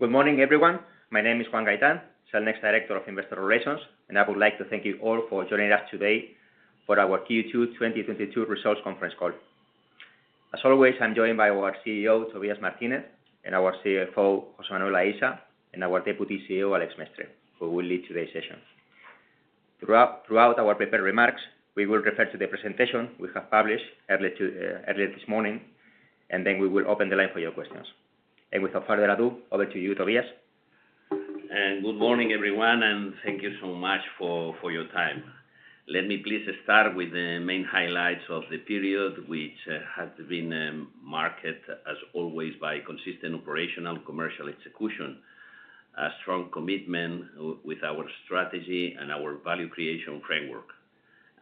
Good morning, everyone. My name is Juan Gaitán, Cellnex Director of Investor Relations, and I would like to thank you all for joining us today for our Q2 2022 results conference call. As always, I'm joined by our CEO, Tobías Martínez, and our CFO, José Manuel Aisa, and our Deputy CEO, Alex Mestre, who will lead today's session. Throughout our prepared remarks, we will refer to the presentation we have published earlier this morning, and then we will open the floor for your questions. Without further ado, over to you, Tobías. Good morning, everyone, and thank you so much for your time. Let me please start with the main highlights of the period which has been marked as always by consistent operational commercial execution, a strong commitment with our strategy and our value creation framework,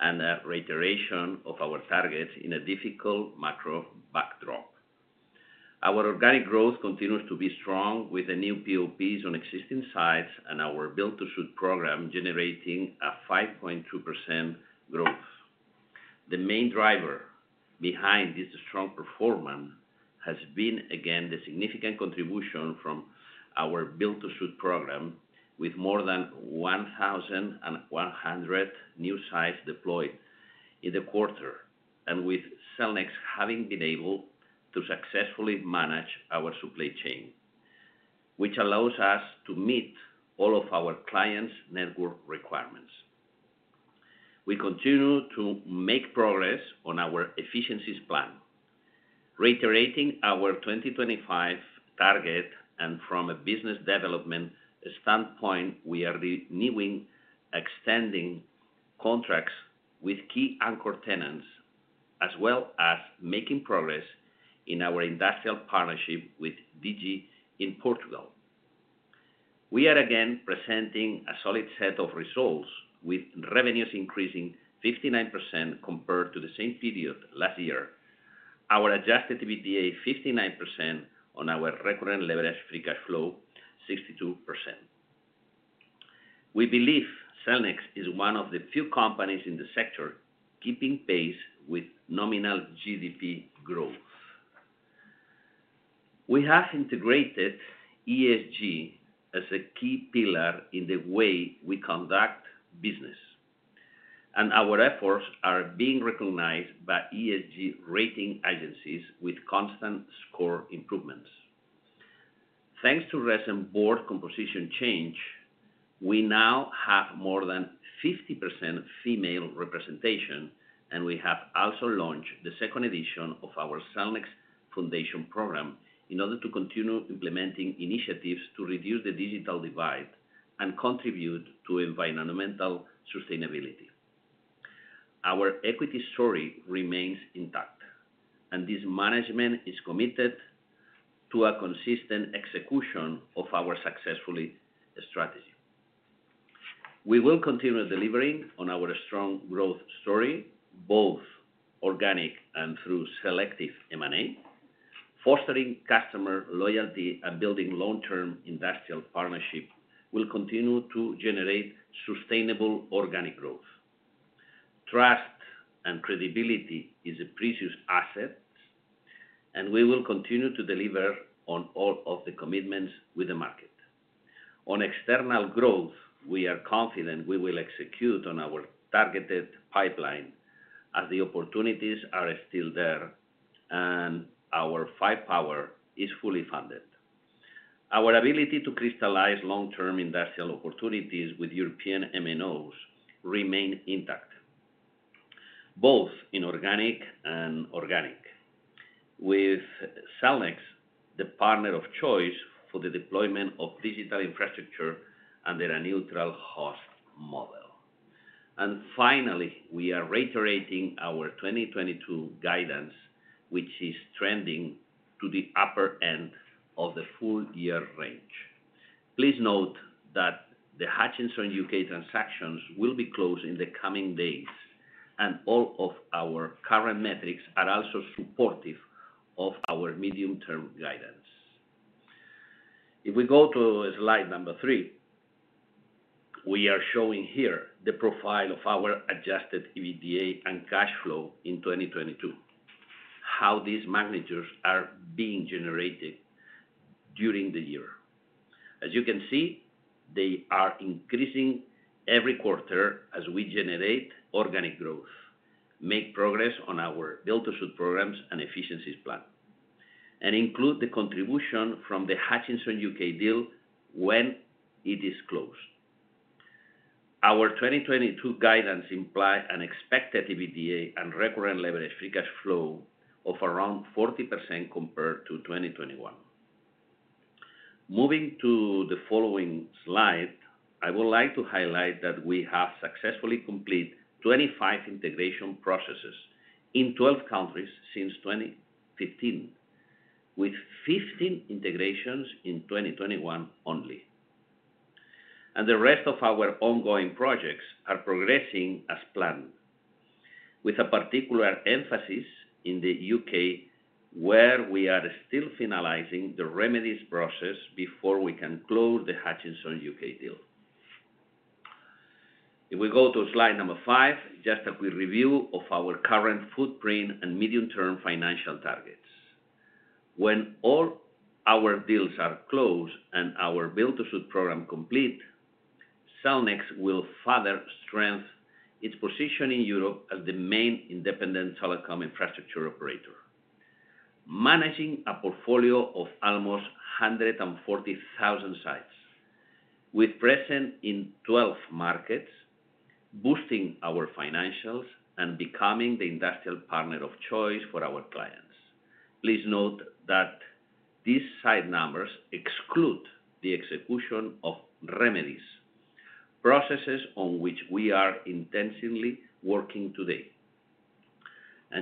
and a reiteration of our targets in a difficult macro backdrop. Our organic growth continues to be strong with the new PoPs on existing sites and our build-to-suit program generating a 5.2% growth. The main driver behind this strong performance has been, again, the significant contribution from our build-to-suit program with more than 1,100 new sites deployed in the quarter, and with Cellnex having been able to successfully manage our supply chain, which allows us to meet all of our clients' network requirements. We continue to make progress on our efficiencies plan, reiterating our 2025 target, and from a business development standpoint, we are extending contracts with key anchor tenants, as well as making progress in our industrial partnership with Digi in Portugal. We are again presenting a solid set of results, with revenues increasing 59% compared to the same period last year. Our Adjusted EBITDA 59% on our recurrent levered free cash flow 62%. We believe Cellnex is one of the few companies in the sector keeping pace with nominal GDP growth. We have integrated ESG as a key pillar in the way we conduct business, and our efforts are being recognized by ESG rating agencies with constant score improvements. Thanks to recent board composition change, we now have more than 50% female representation, and we have also launched the second edition of our Cellnex Foundation program in order to continue implementing initiatives to reduce the digital divide and contribute to environmental sustainability. Our equity story remains intact, and this management is committed to a consistent execution of our successful strategy. We will continue delivering on our strong growth story, both organic and through selective M&A. Fostering customer loyalty and building long-term industrial partnership will continue to generate sustainable organic growth. Trust and credibility is a precious asset, and we will continue to deliver on all of the commitments with the market. On external growth, we are confident we will execute on our targeted pipeline as the opportunities are still there and our firepower is fully funded. Our ability to crystallize long-term industrial opportunities with European MNOs remain intact, both inorganic and organic, with Cellnex the partner of choice for the deployment of digital infrastructure under a neutral host model. Finally, we are reiterating our 2022 guidance, which is trending to the upper end of the full year range. Please note that the CK Hutchison UK transactions will be closed in the coming days, and all of our current metrics are also supportive of our medium-term guidance. If we go to slide number three, we are showing here the profile of our Adjusted EBITDA and cash flow in 2022, how these magnitudes are being generated during the year. As you can see, they are increasing every quarter as we generate organic growth, make progress on our build-to-suit programs and efficiencies plan, and include the contribution from the CK Hutchison UK deal when it is closed. Our 2022 guidance implies an expected EBITDA and recurrent levered free cash flow of around 40% compared to 2021. Moving to the following slide, I would like to highlight that we have successfully completed 25 integration processes in 12 countries since 2015, with 15 integrations in 2021 only. The rest of our ongoing projects are progressing as planned. With a particular emphasis in the U.K., where we are still finalizing the remedies process before we can close the CK Hutchison UK deal. If we go to slide five, just a quick review of our current footprint and medium-term financial targets. When all our deals are closed and our build-to-suit program complete, Cellnex will further strengthen its position in Europe as the main independent telecom infrastructure operator. Managing a portfolio of almost 140,000 sites, with presence in 12 markets, boosting our financials, and becoming the industrial partner of choice for our clients. Please note that these site numbers exclude the execution of remedies, processes on which we are intensively working today.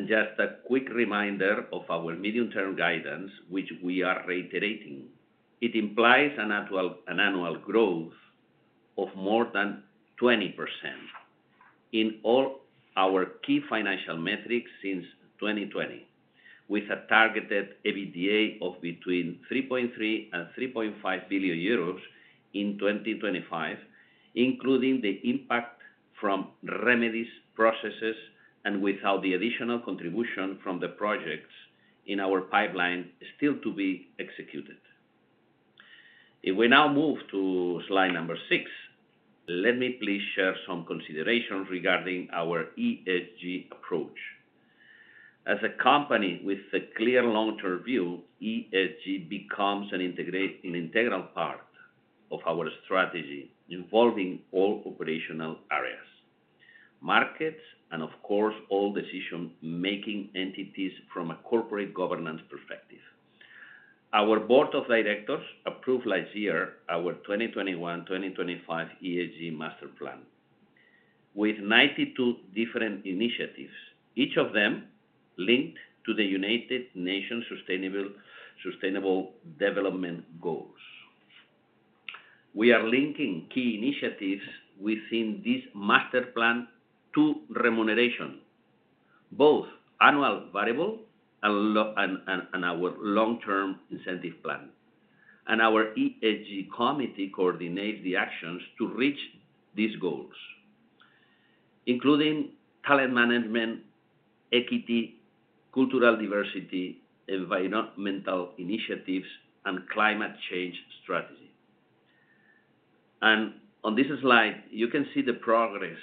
Just a quick reminder of our medium-term guidance, which we are reiterating. It implies an annual growth of more than 20% in all our key financial metrics since 2020, with a targeted EBITDA of between 3.3 billion and 3.5 billion euros in 2025, including the impact from remedies, processes, and without the additional contribution from the projects in our pipeline still to be executed. If we now move to slide number six, let me please share some considerations regarding our ESG approach. As a company with a clear long-term view, ESG becomes an integral part of our strategy, involving all operational areas, markets, and of course, all decision-making entities from a corporate governance perspective. Our board of directors approved last year our 2021-2025 ESG master plan. With 92 different initiatives, each of them linked to the United Nations Sustainable Development Goals. We are linking key initiatives within this master plan to remuneration, both annual variable, and our long-term incentive plan. Our ESG committee coordinates the actions to reach these goals, including talent management, equity, cultural diversity, environmental initiatives, and climate change strategy. On this slide, you can see the progress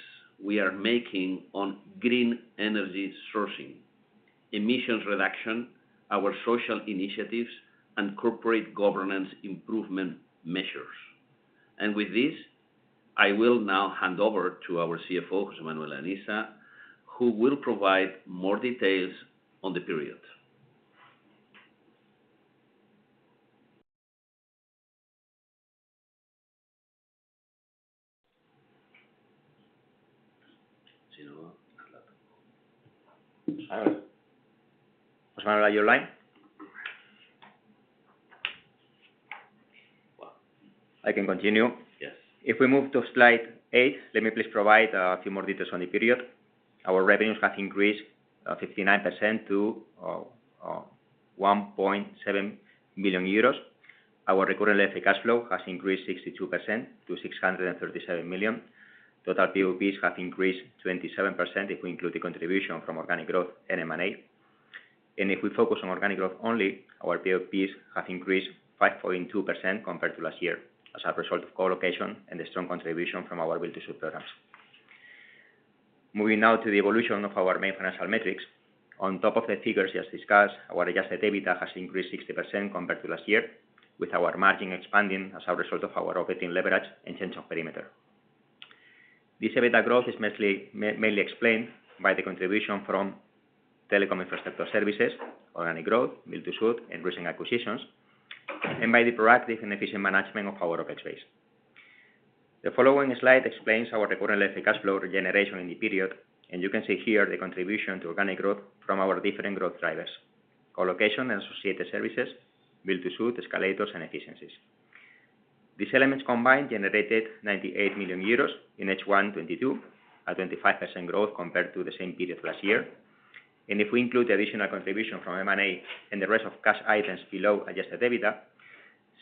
we are making on green energy sourcing, emissions reduction, our social initiatives, and corporate governance improvement measures. With this, I will now hand over to our CFO, José Manuel Aisa, who will provide more details on the period. José Manuel, are you online? I can continue. Yes. If we move to slide eight, let me please provide a few more details on the period. Our revenues have increased 59% to 1.7 billion euros. Our recurrent free cash flow has increased 62% to 637 million. Total PoPs have increased 27% if we include the contribution from organic growth and M&A. If we focus on organic growth only, our PoPs have increased 5.2% compared to last year, as a result of co-location and the strong contribution from our build-to-suit programs. Moving now to the evolution of our main financial metrics. On top of the figures just discussed, our Adjusted EBITDA has increased 60% compared to last year, with our margin expanding as a result of our operating leverage and change of perimeter. This EBITDA growth is mostly, mainly explained by the contribution from telecom infrastructure services, organic growth, build-to-suit, and recent acquisitions, and by the proactive and efficient management of our OpEx base. The following slide explains our recurrent free cash flow generation in the period, and you can see here the contribution to organic growth from our different growth drivers, co-location and associated services, build-to-suit, escalators, and efficiencies. These elements combined generated 98 million euros in H1 2022, a 25% growth compared to the same period last year. If we include the additional contribution from M&A and the rest of cash items below Adjusted EBITDA,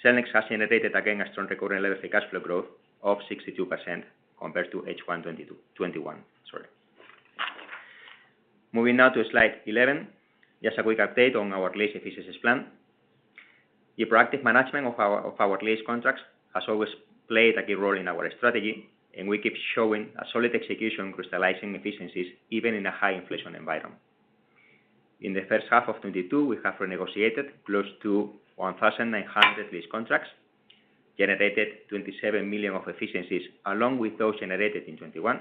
Cellnex has generated again a strong recurrent free cash flow growth of 62% compared to H1 2021, sorry. Moving now to slide 11. Just a quick update on our lease efficiencies plan. The proactive management of our lease contracts has always played a key role in our strategy, and we keep showing a solid execution, crystallizing efficiencies even in a high inflation environment. In the first half of 2022, we have renegotiated close to 1,900 lease contracts, generated 27 million of efficiencies along with those generated in 2021,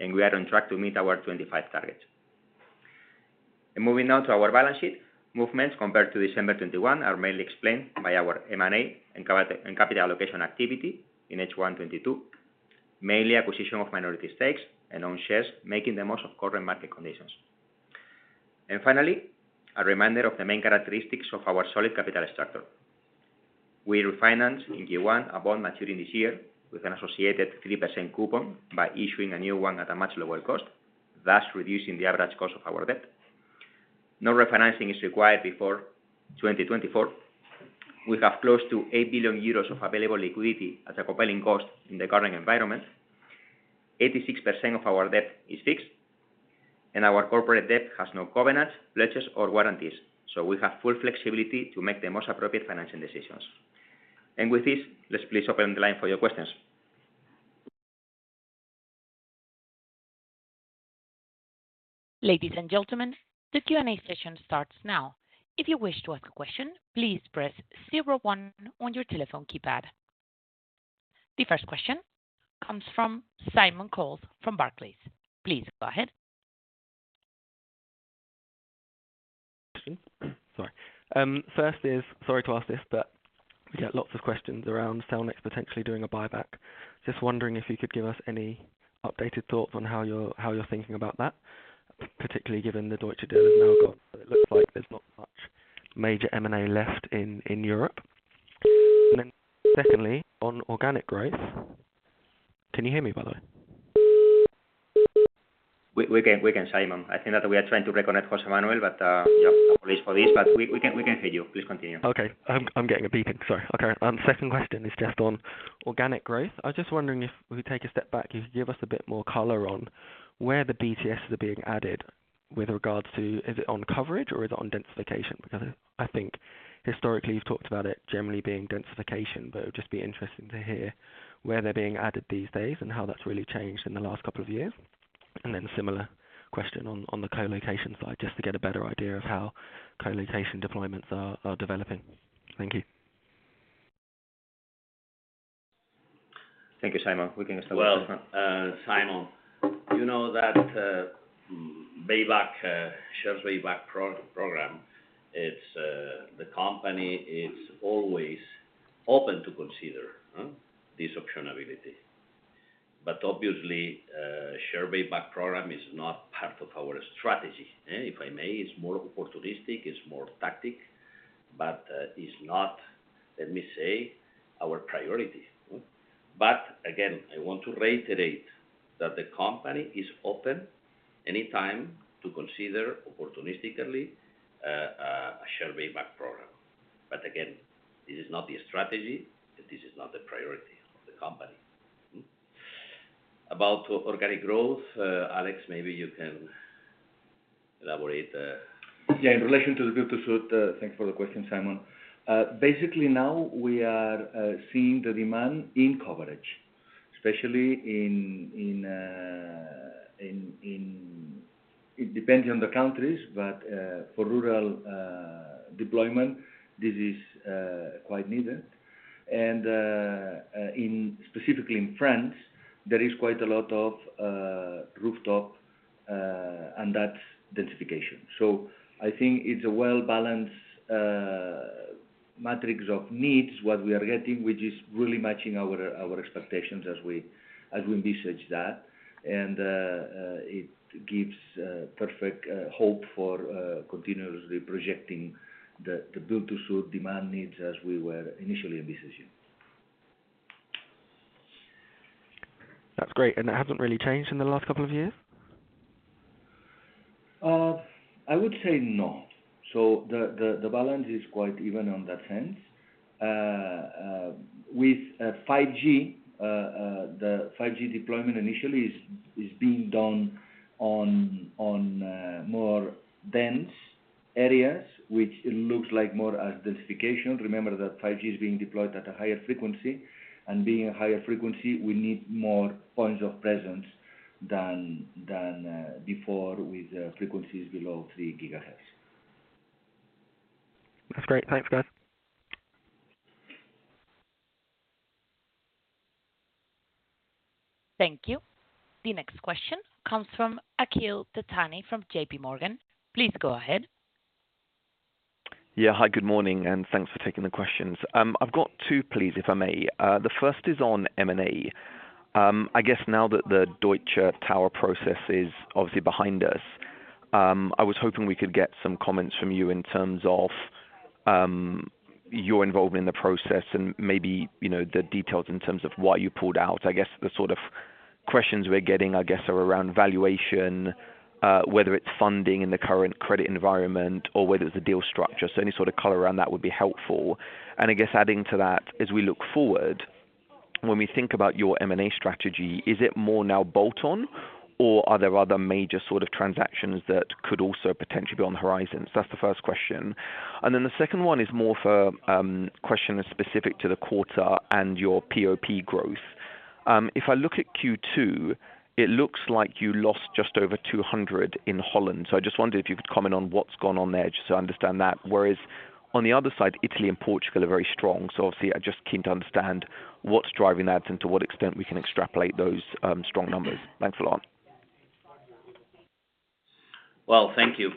and we are on track to meet our 2025 targets. Moving now to our balance sheet. Movements compared to December 2021 are mainly explained by our M&A and capital allocation activity in H1 2022, mainly acquisition of minority stakes and own shares, making the most of current market conditions. Finally, a reminder of the main characteristics of our solid capital structure. We refinance in Q1 a bond maturing this year with an associated 3% coupon by issuing a new one at a much lower cost, thus reducing the average cost of our debt. No refinancing is required before 2024. We have close to 8 billion euros of available liquidity at a compelling cost in the current environment. 86% of our debt is fixed, and our corporate debt has no covenants, ledgers or warranties. So we have full flexibility to make the most appropriate financing decisions. With this, let's please open the line for your questions. Ladies and gentlemen, the Q&A session starts now. If you wish to ask a question, please press zero one on your telephone keypad. The first question comes from Simon Coles from Barclays. Please go ahead. Sorry. Sorry to ask this, but we get lots of questions around Cellnex potentially doing a buyback. Just wondering if you could give us any updated thoughts on how you're thinking about that, particularly given the Deutsche deal has now got, but it looks like there's not much major M&A left in Europe. Then secondly, on organic growth. Can you hear me, by the way? We can, Simon. I think that we are trying to reconnect José Manuel, but yeah, apologies for this, but we can hear you. Please continue. Okay. I'm getting a beeping, sorry. Okay. Second question is just on organic growth. I was just wondering if we take a step back, you could give us a bit more color on where the BTS are being added with regards to is it on coverage or is it on densification? Because I think historically you've talked about it generally being densification, but it would just be interesting to hear where they're being added these days and how that's really changed in the last couple of years. Similar question on the co-location side, just to get a better idea of how co-location deployments are developing. Thank you. Thank you, Simon. We can start with José Manuel. Well, Simon, you know that shares buyback program, it's the company is always open to consider this optionality. Obviously, share buyback program is not part of our strategy. If I may, it's more opportunistic, it's more tactical, but is not, let me say, our priority. Again, I want to reiterate that the company is open anytime to consider opportunistically a share buyback program. Again, this is not the strategy, this is not the priority of the company. About organic growth, Alex, maybe you can elaborate. Yeah. In relation to the build-to-suit, thanks for the question, Simon. Basically now we are seeing the demand in coverage. It depends on the countries, but for rural deployment, this is quite needed. Specifically in France, there is quite a lot of rooftop and that's densification. I think it's a well-balanced matrix of needs, what we are getting, which is really matching our expectations as we envisage that. It gives perfect hope for continuously projecting the build-to-suit demand needs as we were initially envisaging. That's great. It hasn't really changed in the last couple of years? I would say no. The balance is quite even in that sense. With 5G, the 5G deployment initially is being done on more dense areas, which looks more like densification. Remember that 5G is being deployed at a higher frequency, and being a higher frequency, we need more points of presence than before with frequencies below 3 GHz. That's great. Thanks, guys. Thank you. The next question comes from Akhil Dattani from JPMorgan. Please go ahead. Yeah. Hi, good morning, and thanks for taking the questions. I've got two, please, if I may. The first is on M&A. I guess now that the GD Towers process is obviously behind us, I was hoping we could get some comments from you in terms of your involvement in the process and maybe, you know, the details in terms of why you pulled out. I guess the sort of questions we're getting, I guess, are around valuation, whether it's funding in the current credit environment or whether it's the deal structure. Any sort of color around that would be helpful. I guess adding to that, as we look forward, when we think about your M&A strategy, is it more now bolt on or are there other major sort of transactions that could also potentially be on the horizon? That's the first question. Then the second one is more for questions specific to the quarter and your PoP growth. If I look at Q2, it looks like you lost just over 200 in Holland. I just wondered if you could comment on what's gone on there, just so I understand that. Whereas on the other side, Italy and Portugal are very strong. Obviously I'm just keen to understand what's driving that and to what extent we can extrapolate those strong numbers. Thanks a lot. Well, thank you.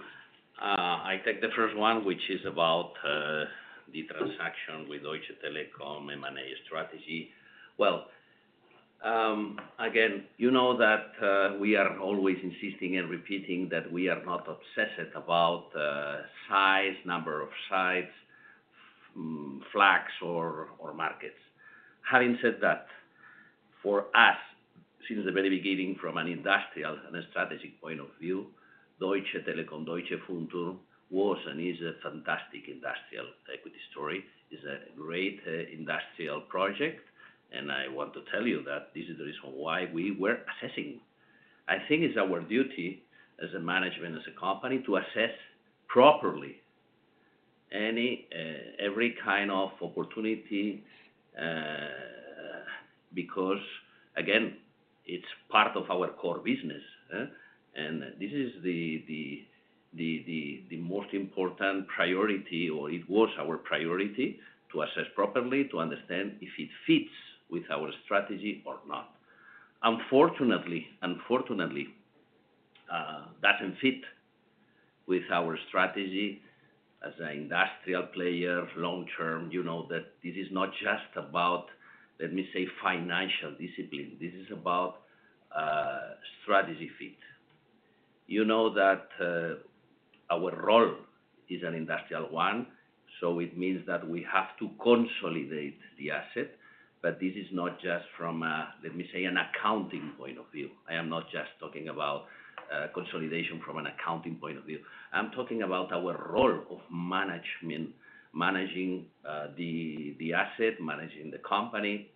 I take the first one, which is about the transaction with Deutsche Telekom M&A strategy. Again, you know that we are always insisting and repeating that we are not obsessed about size, number of sites or markets. Having said that, for us, since the very beginning from an industrial and a strategic point of view, Deutsche Telekom, Deutsche Funkturm was and is a fantastic industrial equity story. It's a great industrial project. I want to tell you that this is the reason why we were assessing. I think it's our duty as a management, as a company, to assess properly any and every kind of opportunity, because again, it's part of our core business. This is the most important priority, or it was our priority to assess properly, to understand if it fits with our strategy or not. Unfortunately, doesn't fit with our strategy as an industrial player long term. You know that this is not just about, let me say, financial discipline. This is about strategy fit. You know that our role is an industrial one, so it means that we have to consolidate the asset. But this is not just from a, let me say, an accounting point of view. I am not just talking about consolidation from an accounting point of view. I'm talking about our role of management, managing the asset, managing the company,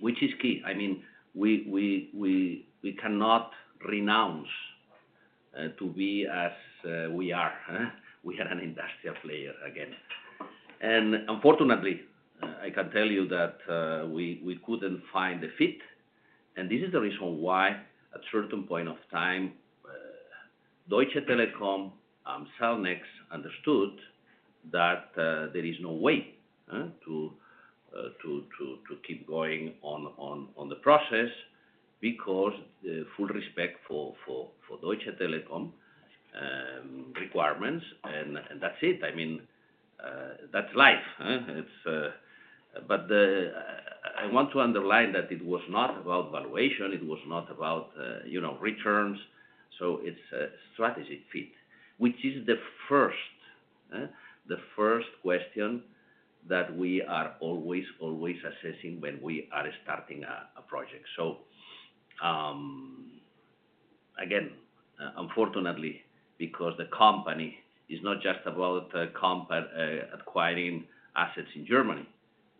which is key. I mean, we cannot renounce to be as we are. We are an industrial player again. Unfortunately, I can tell you that we couldn't find a fit. This is the reason why at certain point of time, Deutsche Telekom, Cellnex understood that there is no way to keep going on the process because the full respect for Deutsche Telekom requirements and that's it. I mean, that's life. I want to underline that it was not about valuation. It was not about you know returns. It's a strategy fit, which is the first question that we are always assessing when we are starting a project. Again, unfortunately, because the company is not just about acquiring assets in Germany.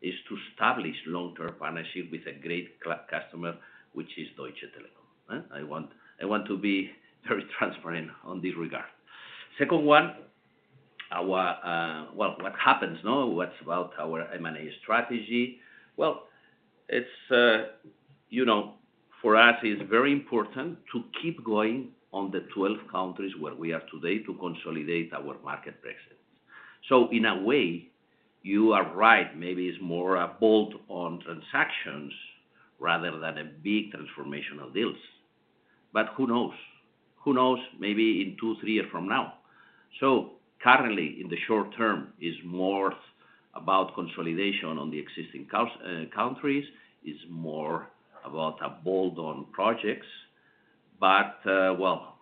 It's to establish long-term partnership with a great customer, which is Deutsche Telekom. I want to be very transparent on this regard. Second one, our. Well, what happens now? What about our M&A strategy? Well, you know, for us it's very important to keep going on the 12 countries where we are today to consolidate our market presence. In a way, you are right. Maybe it's more a bolt-on transactions rather than a big transformational deals. Who knows? Maybe in two, three years from now. Currently, in the short term, it's more about consolidation on the existing countries. It's more about a bolt-on projects. Well,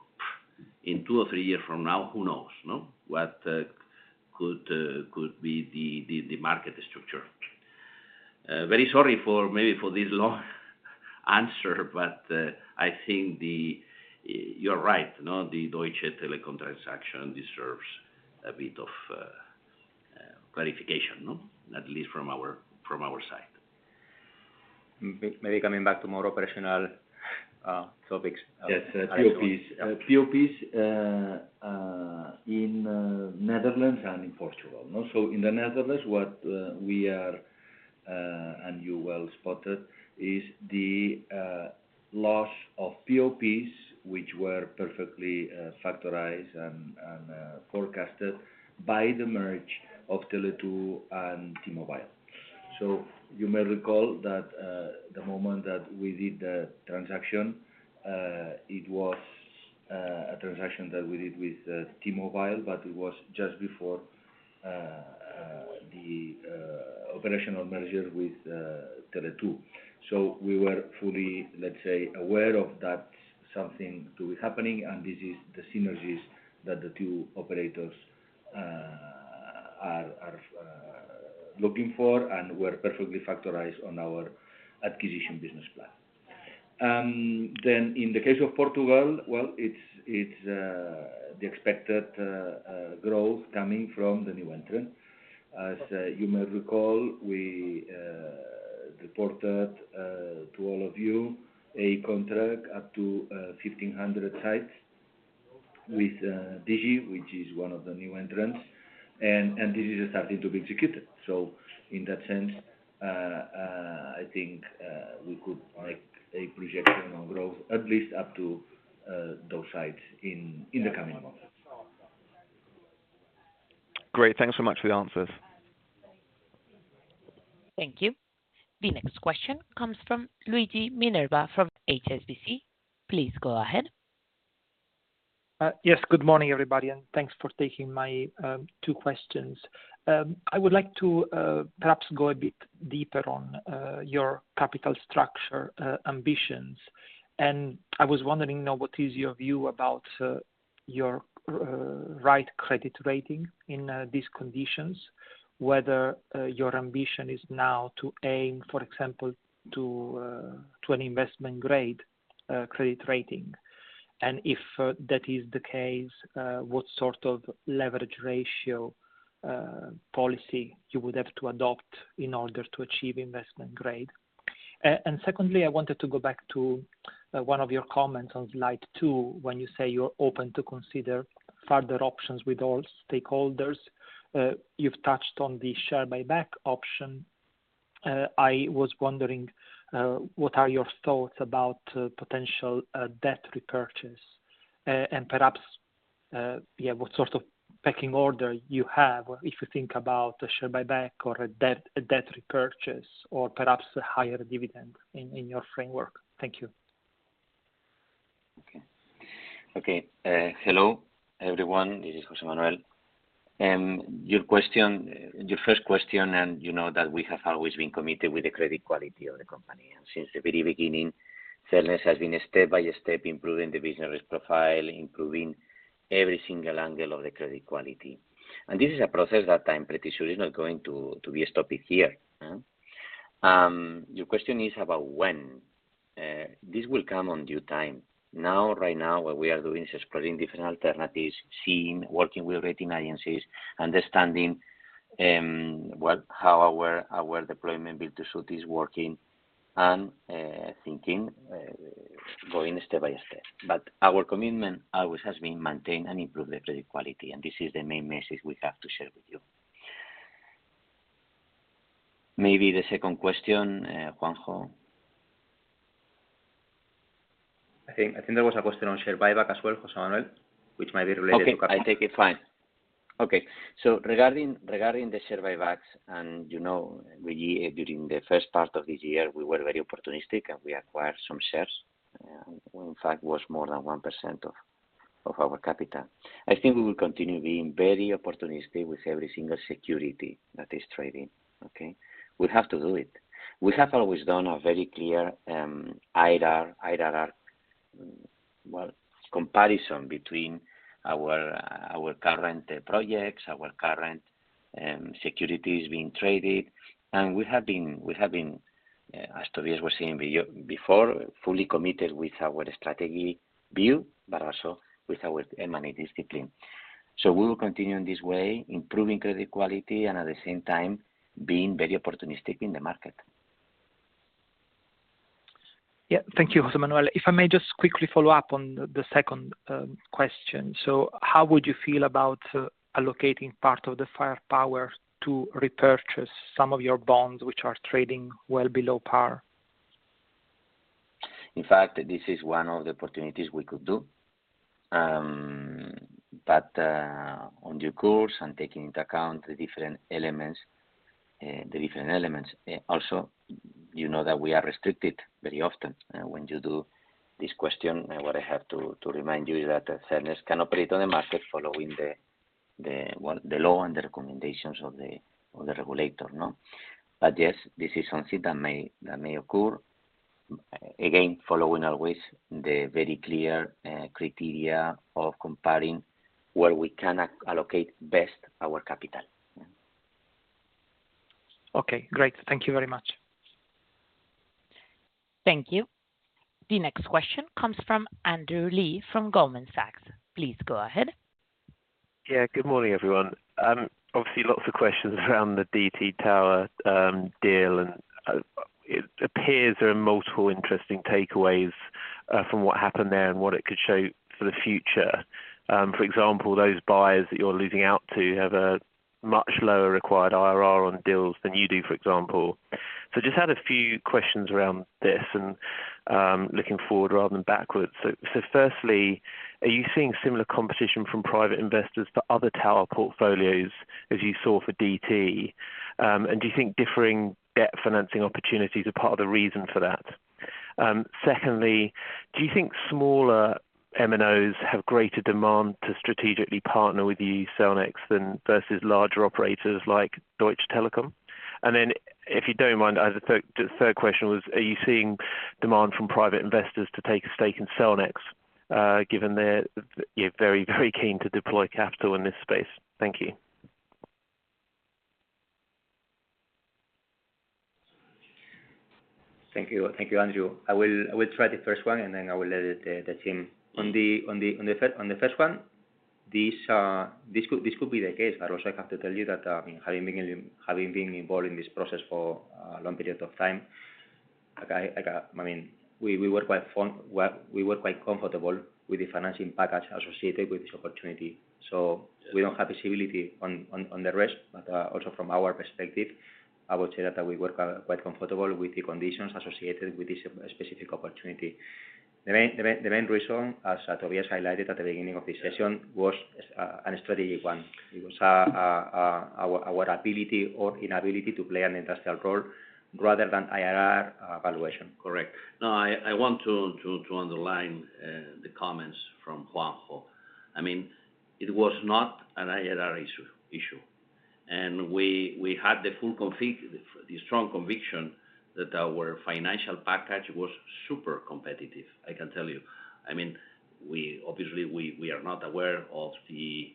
in two or three years from now, who knows, no? What could be the market structure. Very sorry for maybe this long answer, but I think. You're right, you know, the Deutsche Telekom transaction deserves a bit of clarification, no? At least from our side. Maybe coming back to more operational topics. Yes. PoPs. Yeah. PoPs in Netherlands and in Portugal, no? In the Netherlands, what we are and you well spotted is the loss of PoPs, which were perfectly factored and forecasted by the merger of Tele2 and T-Mobile. You may recall that the moment that we did the transaction it was a transaction that we did with T-Mobile but it was just before the operational merger with Tele2. We were fully, let's say, aware of that something to be happening, and this is the synergies that the two operators are looking for and were perfectly factored on our acquisition business plan. In the case of Portugal, well, it's the expected growth coming from the new entrant. As you may recall, we reported to all of you a contract up to 1,500 sites with Digi, which is one of the new entrants. This is starting to be executed. In that sense, I think we could make a projection on growth at least up to those sites in the coming months. Great. Thanks so much for the answers. Thank you. The next question comes from Luigi Minerva from HSBC. Please go ahead. Yes. Good morning, everybody, and thanks for taking my two questions. I would like to perhaps go a bit deeper on your capital structure ambitions. I was wondering now what is your view about Your credit rating in these conditions, whether your ambition is now to aim, for example, to an investment grade credit rating. If that is the case, what sort of leverage ratio policy you would have to adopt in order to achieve investment grade? Secondly, I wanted to go back to one of your comments on slide two, when you say you're open to consider further options with all stakeholders. You've touched on the share buyback option. I was wondering, what are your thoughts about potential debt repurchase? And perhaps, yeah, what sort of pecking order you have, if you think about a share buyback or a debt repurchase or perhaps a higher dividend in your framework? Thank you. Okay. Hello, everyone. This is José Manuel. Your first question, you know that we have always been committed with the credit quality of the company. Since the very beginning, Cellnex has been a step by step improving the business profile, improving every single angle of the credit quality. This is a process that I'm pretty sure is not going to be stopped here. Your question is about when. This will come in due time. Now, right now, what we are doing is exploring different alternatives, seeing, working with rating agencies, understanding how our deployment build-to-suit is working and thinking, going step by step. Our commitment always has been maintain and improve the credit quality, and this is the main message we have to share with you. Maybe the second question, Juan Gaitán. I think there was a question on share buyback as well, José Manuel, which might be related to. Okay. I take it. Fine. Okay. Regarding the share buybacks, and you know, we during the first part of this year were very opportunistic, and we acquired some shares. In fact, was more than 1% of our capital. I think we will continue being very opportunistic with every single security that is trading. Okay? We have to do it. We have always done a very clear, well, IRR comparison between our current projects, our current securities being traded. We have been, as Tobías was saying before, fully committed with our strategy view, but also with our M&A discipline. We will continue in this way, improving credit quality and at the same time being very opportunistic in the market. Yeah. Thank you, José Manuel. If I may just quickly follow up on the second question. How would you feel about allocating part of the firepower to repurchase some of your bonds, which are trading well below par? In fact, this is one of the opportunities we could do. In due course and taking into account the different elements. Also, you know that we are restricted very often. When you ask this question, what I have to remind you is that Cellnex can operate on the market following the law and the recommendations of the regulator. No? Yes, this is something that may occur. Again, following always the very clear criteria of comparing where we can allocate best our capital. Okay, great. Thank you very much. Thank you. The next question comes from Andrew Lee from Goldman Sachs. Please go ahead. Yeah, good morning, everyone. Obviously, lots of questions around the DT Tower deal, and it appears there are multiple interesting takeaways from what happened there and what it could show for the future. For example, those buyers that you're losing out to have a much lower required IRR on deals than you do, for example. Just had a few questions around this and, looking forward rather than backwards. Firstly, are you seeing similar competition from private investors to other tower portfolios as you saw for DT? And do you think differing debt financing opportunities are part of the reason for that? Secondly, do you think smaller MNOs have greater demand to strategically partner with you, Cellnex, than versus larger operators like Deutsche Telekom? If you don't mind, the third question was, are you seeing demand from private investors to take a stake in Cellnex, given they're, yeah, very, very keen to deploy capital in this space? Thank you. Thank you. Thank you, Andrew. I will try the first one, and then I will let the team. On the first one, this could be the case, but also I have to tell you that, having been involved in this process for a long period of time, like I mean, we were quite comfortable with the financing package associated with this opportunity. We don't have visibility on the rest. Also from our perspective, I would say that we were quite comfortable with the conditions associated with this specific opportunity. The main reason, as Tobías highlighted at the beginning of this session, was a strategic one. It was our ability or inability to play an industrial role rather than IRR valuation. Correct. No, I want to underline the comments from Juan Gaitán. I mean, it was not an IRR issue. We had the strong conviction that our financial package was super competitive, I can tell you. I mean, we obviously are not aware of the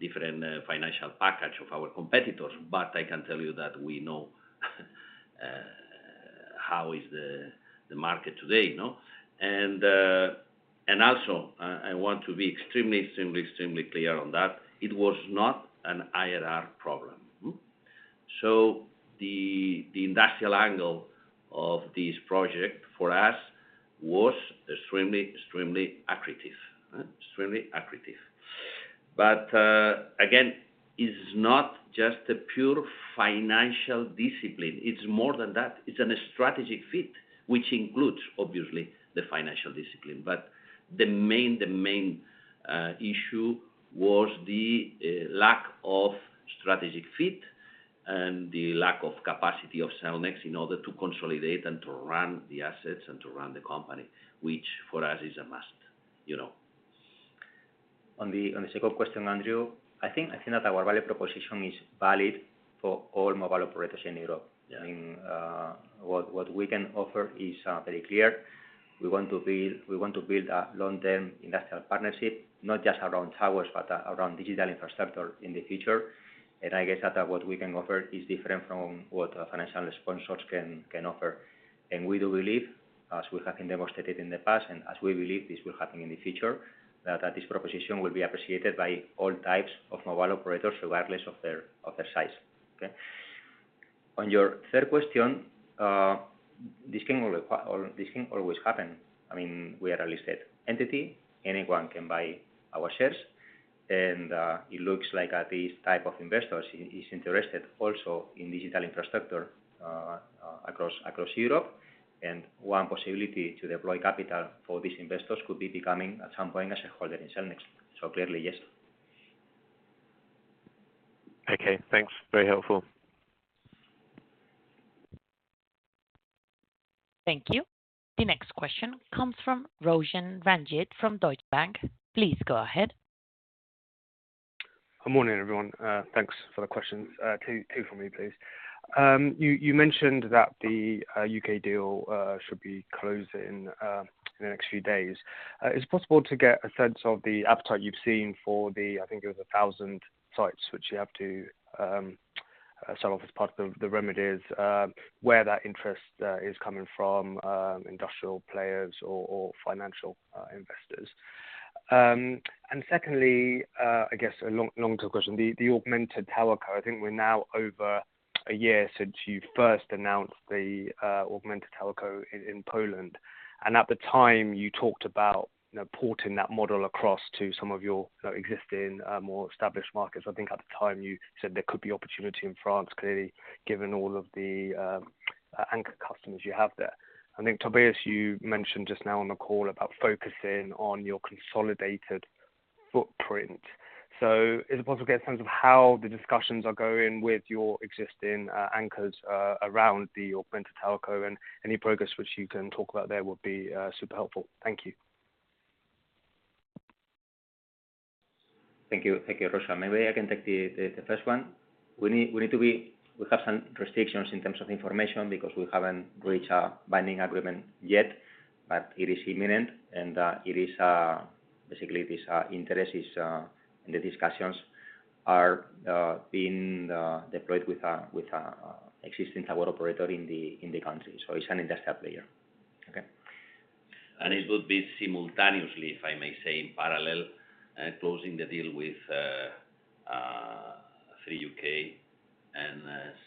different financial package of our competitors, but I can tell you that we know how is the market today, no? I want to be extremely clear on that. It was not an IRR problem. The industrial angle of this project for us was extremely accretive. Again, it's not just a pure financial discipline. It's more than that. It's an strategic fit, which includes, obviously, the financial discipline. The main issue was the lack of strategic fit and the lack of capacity of Cellnex in order to consolidate and to run the assets and to run the company, which for us is a must, you know. On the second question, Andrew, I think that our value proposition is valid for all mobile operators in Europe. I mean, what we can offer is very clear. We want to build a long-term industrial partnership, not just around towers, but around digital infrastructure in the future. I guess that what we can offer is different from what financial sponsors can offer. We do believe, as we have demonstrated in the past, and as we believe this will happen in the future, that this proposition will be appreciated by all types of mobile operators regardless of their size. Okay. On your third question, this can always happen. I mean, we are a listed entity. Anyone can buy our shares. It looks like these type of investors is interested also in digital infrastructure across Europe. One possibility to deploy capital for these investors could be becoming, at some point, a shareholder in Cellnex. Clearly, yes. Okay, thanks. Very helpful. Thank you. The next question comes from Roshan Ranjit from Deutsche Bank. Please go ahead. Good morning, everyone. Thanks for the questions. Two for me, please. You mentioned that the UK deal should be closing in the next few days. Is it possible to get a sense of the appetite you've seen for the, I think it was 1,000 sites which you have to sell off as part of the remedies, where that interest is coming from, industrial players or financial investors. Secondly, I guess a longer question. The Augmented TowerCo, I think we're now over a year since you first announced the Augmented TowerCo in Poland. At the time, you talked about, you know, porting that model across to some of your, you know, existing, more established markets. I think at the time you said there could be opportunity in France, clearly, given all of the anchor customers you have there. I think, Tobías, you mentioned just now on the call about focusing on your consolidated footprint. Is it possible to get a sense of how the discussions are going with your existing anchors around the Augmented TowerCo, and any progress which you can talk about there would be super helpful. Thank you. Thank you. Thank you, Roshan. Maybe I can take the first one. We have some restrictions in terms of information because we haven't reached a binding agreement yet, but it is imminent and it is basically this interest in the discussions are being deployed with existing tower operator in the country. It's an industrial player. Okay. It would be simultaneously, if I may say, in parallel, closing the deal with Three UK and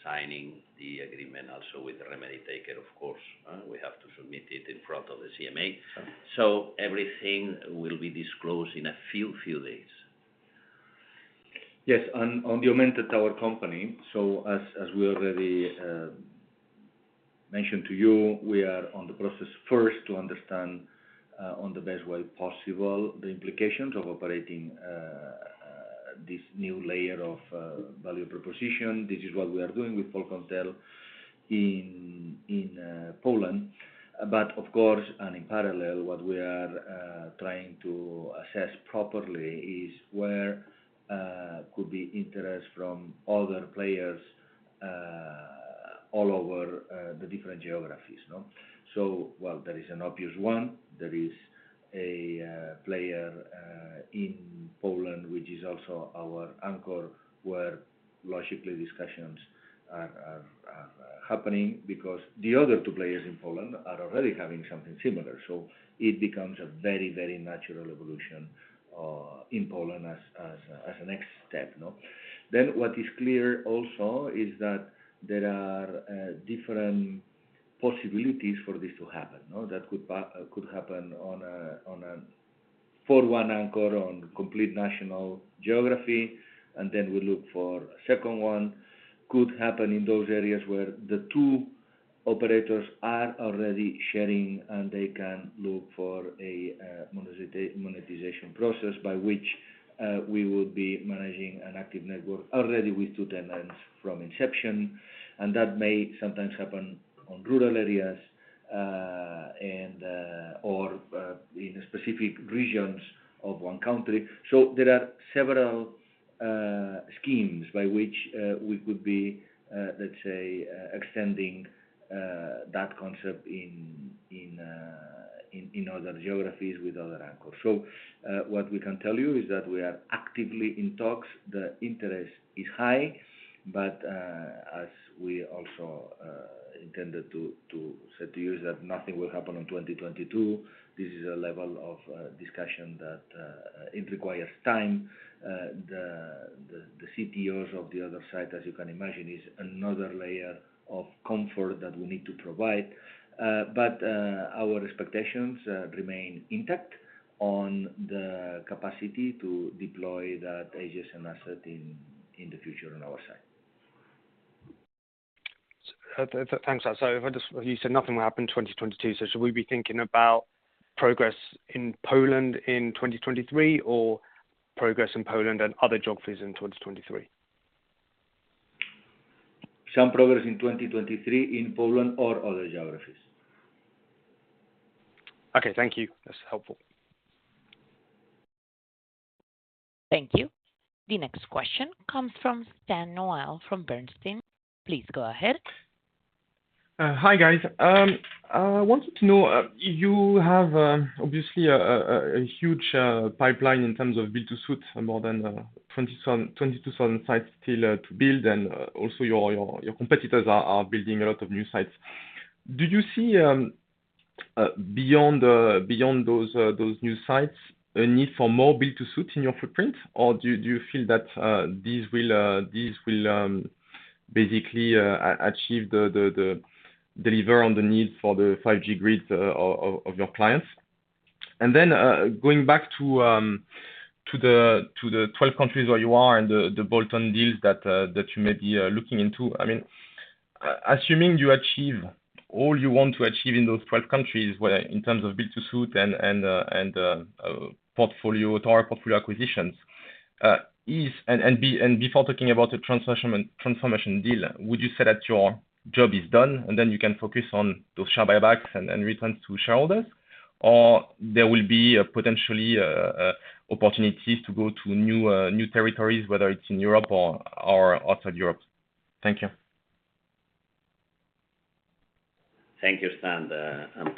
signing the agreement also with the remedy taker, of course. We have to submit it in front of the CMA. Everything will be disclosed in a few days. Yes. On the augmented tower company, as we already mentioned to you, we are in the process first to understand in the best way possible the implications of operating this new layer of value proposition. This is what we are doing with Polkomtel in Poland. But of course, and in parallel, what we are trying to assess properly is where could be interest from other players all over the different geographies, no? While there is an obvious one, there is a player in Poland, which is also our anchor, where logically discussions are happening because the other two players in Poland are already having something similar. It becomes a very natural evolution in Poland as a next step, no? What is clear also is that there are different possibilities for this to happen, no? That could happen on a for one anchor on complete national geography, and then we look for a second one. Could happen in those areas where the two operators are already sharing, and they can look for a monetization process by which we would be managing an active network already with two tenants from inception. That may sometimes happen in rural areas or in specific regions of one country. There are several schemes by which we could be, let's say, extending that concept in other geographies with other anchors. What we can tell you is that we are actively in talks. The interest is high, but as we also intended to say to you is that nothing will happen in 2022. This is a level of discussion that it requires time. The CTOs of the other side, as you can imagine, is another layer of comfort that we need to provide. Our expectations remain intact on the capacity to deploy that Hutchison asset in the future on our side. Thanks for that. You said nothing will happen in 2022, so should we be thinking about progress in Poland in 2023 or progress in Poland and other geographies in 2023? Some progress in 2023 in Poland or other geographies. Okay. Thank you. That's helpful. Thank you. The next question comes from Stan Noel from Bernstein. Please go ahead. Hi guys. I wanted to know, you have obviously a huge pipeline in terms of build-to-suit, more than 22,000 sites still to build. Also your competitors are building a lot of new sites. Do you see beyond those new sites a need for more build-to-suit in your footprint? Or do you feel that these will basically achieve the delivery on the need for the 5G grid of your clients? Then, going back to the 12 countries where you are and the bolt-on deals that you may be looking into. I mean, assuming you achieve all you want to achieve in those 12 countries, whether in terms of build-to-suit and portfolio tower portfolio acquisitions, before talking about the transformation deal, would you say that your job is done, and then you can focus on those share buybacks and returns to shareholders? Or there will be potentially opportunities to go to new territories, whether it's in Europe or outside Europe? Thank you. Thank you, Stan.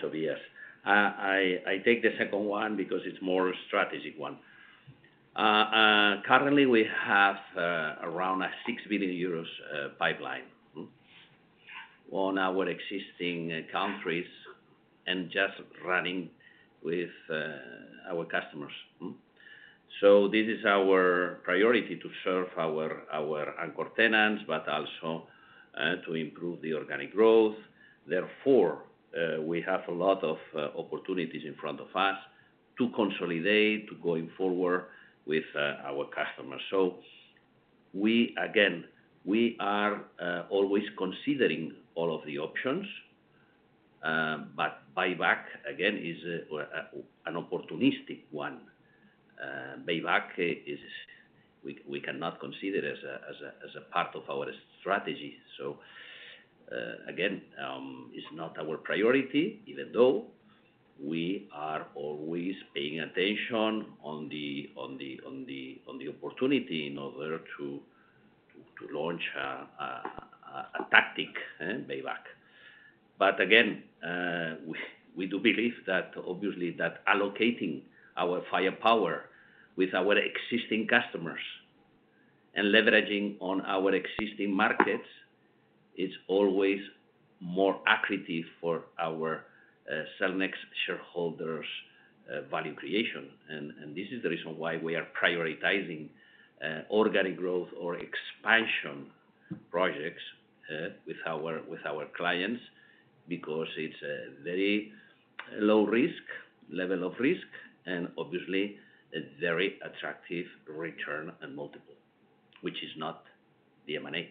Tobías. I take the second one because it's more a strategic one. Currently, we have around 6 billion euros pipeline on our existing countries and just running with our customers. This is our priority to serve our anchor tenants, but also to improve the organic growth. Therefore, we have a lot of opportunities in front of us to consolidate going forward with our customers. We are again always considering all of the options. But buyback, again, is an opportunistic one. Buyback is we cannot consider as a part of our strategy. Again, it's not our priority, even though we are always paying attention on the opportunity in order to launch a tactical buyback. Again, we do believe that obviously allocating our firepower with our existing customers and leveraging on our existing markets is always more accretive for our Cellnex shareholders' value creation. This is the reason why we are prioritizing organic growth or expansion projects with our clients, because it's a very low level of risk, and obviously a very attractive return and multiple, which is not the M&A.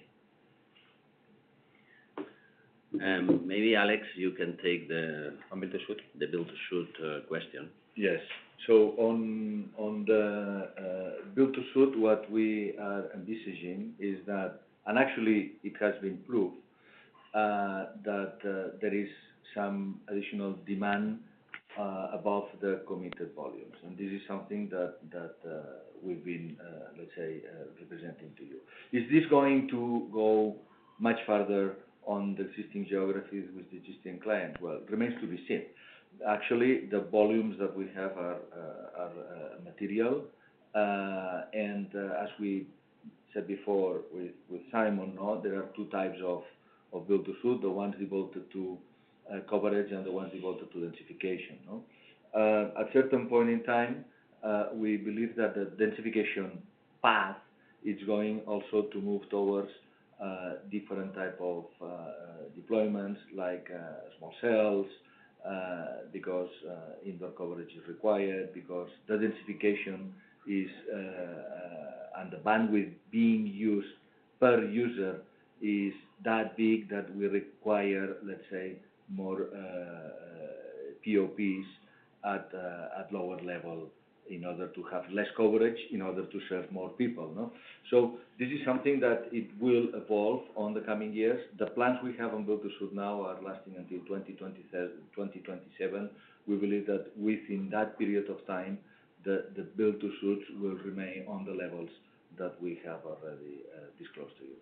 Maybe, Alex, you can take the- On build-to-suit? the build-to-suit question. Yes. On the build-to-suit, what we are envisaging is that, and actually it has been proved, that there is some additional demand above the committed volumes. This is something that we've been, let's say, representing to you. Is this going to go much further on the existing geographies with the existing clients? Well, it remains to be seen. Actually, the volumes that we have are material. As we said before with Simon, no, there are two types of build-to-suit, the ones devoted to coverage and the ones devoted to densification. No? At certain point in time, we believe that the densification path is going also to move towards different type of deployments like small cells, because indoor coverage is required, because the densification is and the bandwidth being used per user is that big that will require, let's say, more. PoPs at lower level in order to have less coverage, in order to serve more people, no? This is something that it will evolve in the coming years. The plans we have on build-to-suit now are lasting until 2027. We believe that within that period of time, the build-to-suits will remain on the levels that we have already disclosed to you.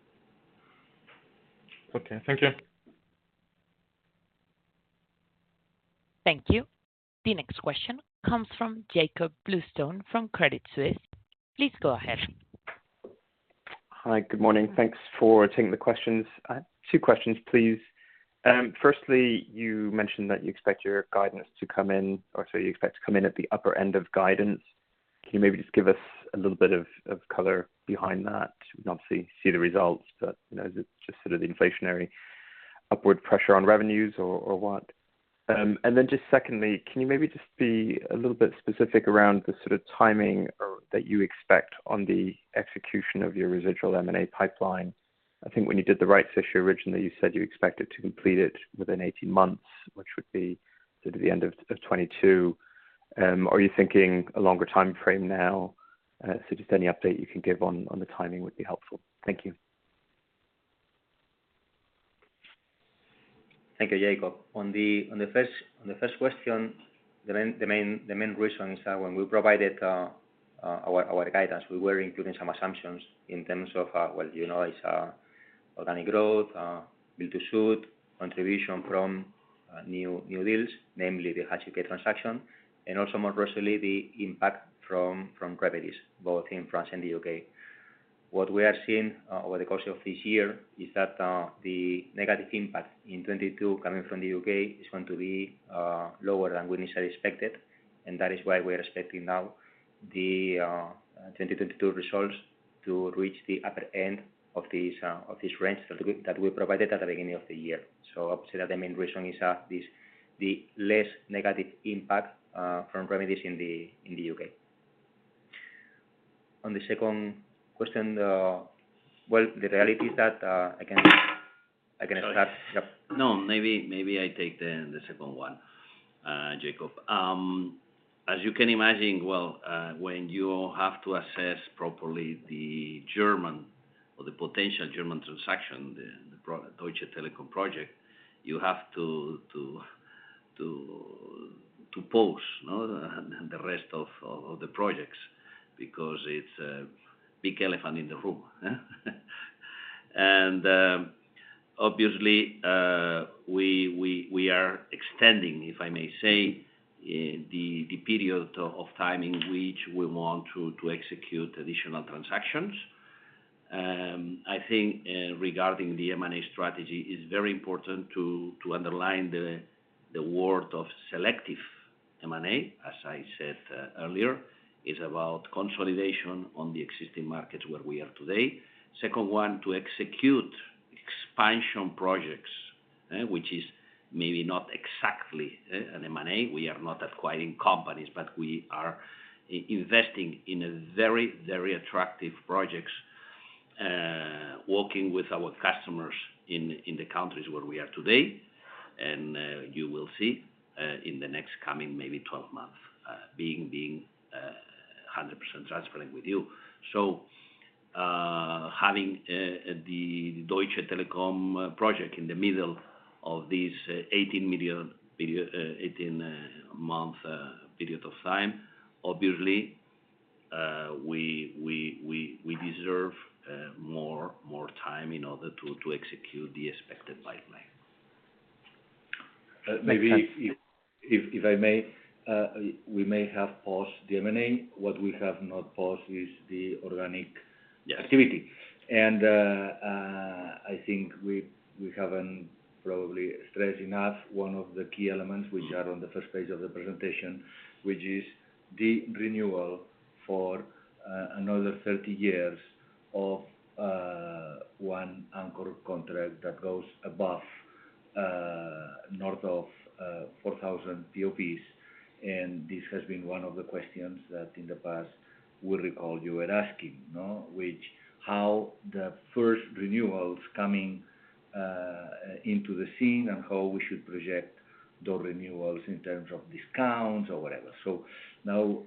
Okay, thank you. Thank you. The next question comes from Jakob Bluestone from Credit Suisse. Please go ahead. Hi. Good morning. Thanks for taking the questions. Two questions, please. Firstly, you mentioned that you expect your guidance to come in or so you expect to come in at the upper end of guidance. Can you maybe just give us a little bit of color behind that? We obviously see the results, but you know, is it just sort of the inflationary upward pressure on revenues or what? And then just secondly, can you maybe just be a little bit specific around the sort of timing or that you expect on the execution of your residual M&A pipeline? I think when you did the rights issue originally, you said you expected to complete it within 18 months, which would be sort of the end of 2022. Are you thinking a longer timeframe now? Just any update you can give on the timing would be helpful. Thank you. Thank you, Jakob. On the first question, the main reasons are when we provided our guidance, we were including some assumptions in terms of, well you know, organic growth, build-to-suit, contribution from new deals, namely the CK Hutchison transaction, and also more recently the impact from remedies both in France and the U.K. What we are seeing over the course of this year is that the negative impact in 2022 coming from the U.K. is going to be lower than we initially expected, and that is why we are expecting now the 2022 results to reach the upper end of this range that we provided at the beginning of the year. Obviously the main reason is this, the less negative impact from remedies in the U.K. On the second question, well, the reality is that, I can- Sorry. I can start. Yep. No, maybe I take the second one, Jakob. As you can imagine, when you have to assess properly the German or the potential German transaction, the pro-Deutsche Telekom project, you have to pause, you know, and the rest of the projects because it's a big elephant in the room, huh? Obviously, we are extending, if I may say, the period of time in which we want to execute additional transactions. I think, regarding the M&A strategy, it's very important to underline the word of selective M&A, as I said earlier. It's about consolidation on the existing markets where we are today. Second one, to execute expansion projects, which is maybe not exactly an M&A. We are not acquiring companies, but we are investing in very attractive projects, working with our customers in the countries where we are today. You will see in the next coming maybe 12 months, being 100% transparent with you. Having the Deutsche Telekom project in the middle of this 18-month period of time, obviously, we deserve more time in order to execute the expected pipeline. Maybe if I may, we may have paused the M&A. What we have not paused is the organic- Yeah... activity. I think we haven't probably stressed enough one of the key elements which are on the first page of the presentation, which is the renewal for another 30 years of one anchor contract that goes above north of 4,000 PoPs. This has been one of the questions that in the past, we recall you were asking, you know. How the first renewals coming into the scene and how we should project those renewals in terms of discounts or whatever. Now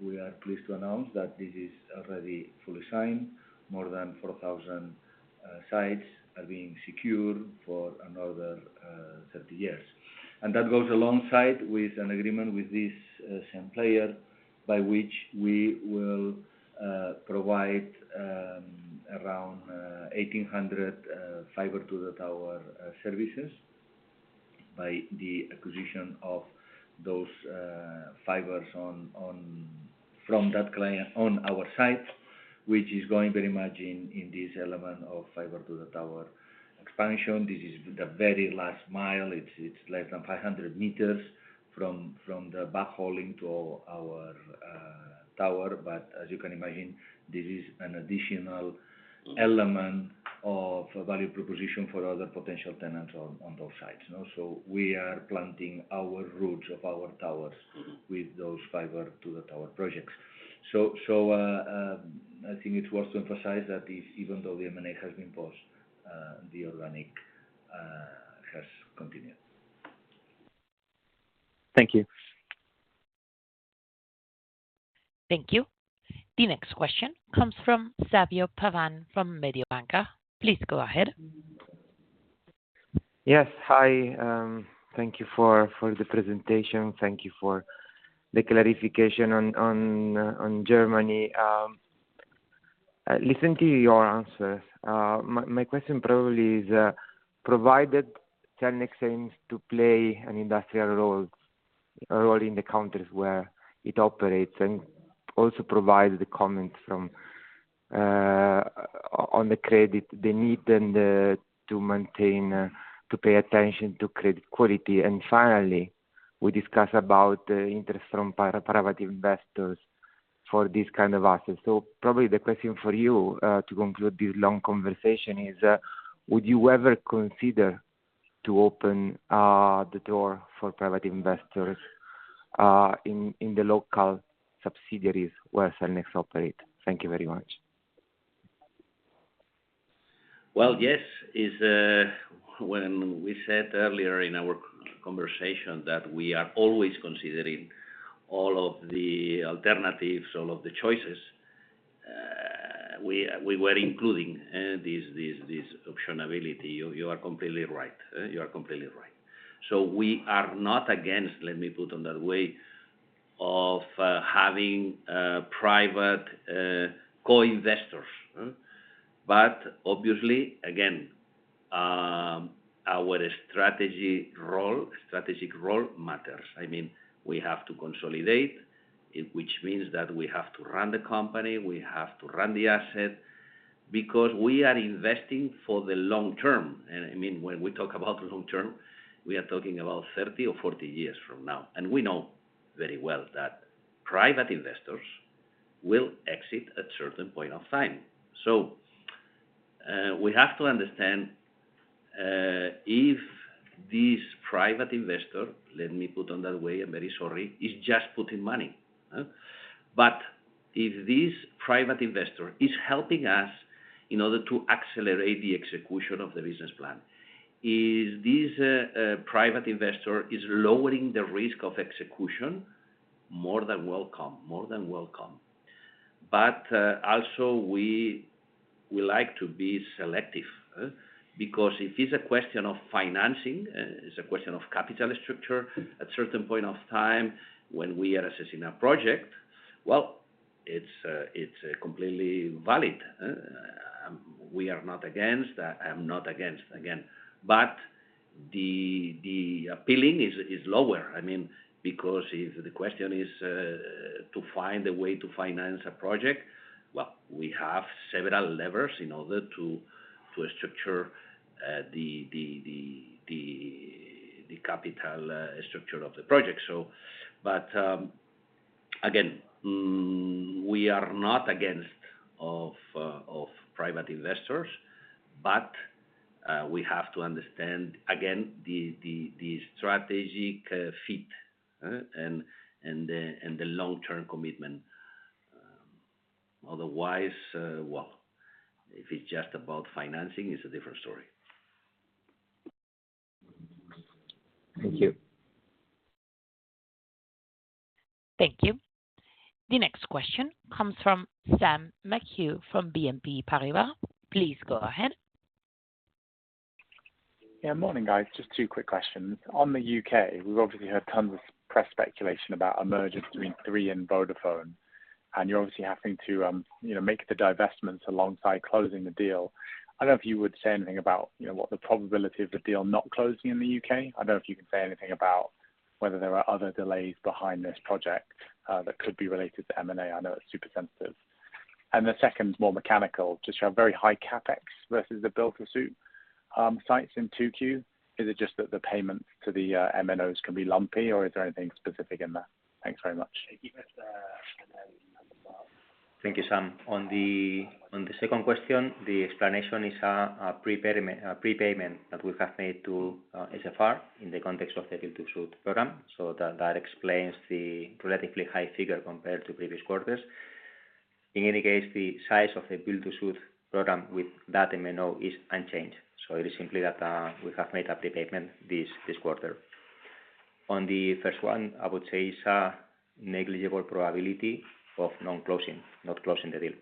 we are pleased to announce that this is already fully signed. More than 4,000 sites are being secured for another 30 years. That goes alongside with an agreement with this same player by which we will provide around 1,800 fiber to the tower services by the acquisition of those fibers on from that client on our site, which is going very much in this element of fiber to the tower expansion. This is the very last mile. It's less than 500 m from the backhauling to our tower. But as you can imagine, this is an additional element of a value proposition for other potential tenants on those sites, you know. We are planting our roots of our towers with those fiber to the tower projects. I think it's worth to emphasize that even though the M&A has been paused, the organic has continued. Thank you. Thank you. The next question comes from Fabio Pavan from Mediobanca. Please go ahead. Yes. Hi. Thank you for the presentation. Thank you for the clarification on Germany. Listening to your answers, my question probably is, provided Cellnex aims to play an industrial role, a role in the countries where it operates, and also provide the comments on the credit they need and to maintain, to pay attention to credit quality. Finally, we discuss about interest from private investors for this kind of assets. Probably the question for you, to conclude this long conversation is, would you ever consider to open the door for private investors, in the local subsidiaries where Cellnex operate? Thank you very much. Well, yes. It's when we said earlier in our conversation that we are always considering all of the alternatives, all of the choices, we were including this optionality. You are completely right. We are not against, let me put it that way, having private co-investors. Obviously, again, our strategic role matters. I mean, we have to consolidate, which means that we have to run the company, we have to run the asset because we are investing for the long term. I mean, when we talk about long term, we are talking about 30 or 40 years from now, and we know very well that private investors will exit at certain point in time. We have to understand if this private investor, let me put it that way, I'm very sorry, is just putting money. If this private investor is helping us in order to accelerate the execution of the business plan, this private investor is lowering the risk of execution, more than welcome. More than welcome. Also we like to be selective because if it's a question of financing, it's a question of capital structure at a certain point in time when we are assessing a project, well, it's completely valid. We are not against. I am not against, again. The appeal is lower. I mean, because if the question is to find a way to finance a project, well, we have several levers in order to structure the capital structure of the project. Again, we are not against private investors, but we have to understand, again, the strategic fit and the long-term commitment. Otherwise, well, if it's just about financing, it's a different story. Thank you. Thank you. The next question comes from Sam McHugh from BNP Paribas. Please go ahead. Yeah. Morning, guys. Just two quick questions. On the U.K., we've obviously heard tons of press speculation about a merger between Three and Vodafone, and you're obviously having to, you know, make the divestments alongside closing the deal. I don't know if you would say anything about, you know, what the probability of the deal not closing in the U.K. I don't know if you can say anything about whether there are other delays behind this project that could be related to M&A. I know it's super sensitive. The second more mechanical, just you have very high CapEx versus the build-to-suit sites in 2Q. Is it just that the payments to the MNOs can be lumpy, or is there anything specific in that? Thanks very much. Thank you, Sam. On the second question, the explanation is a pre-payment that we have made to SFR in the context of the build-to-suit program. That explains the relatively high figure compared to previous quarters. In any case, the size of the build-to-suit program with that MNO is unchanged. It is simply that we have made a pre-payment this quarter. On the first one, I would say it's a negligible probability of non-closing, not closing the deal.